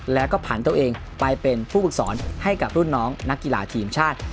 แล้วก็ผ่านตัวเองไปเป็นผู้ฝึกสอนให้กับรุ่นน้องนักกีฬาทีมชาติ